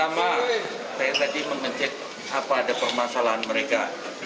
apa ada permasalahan mereka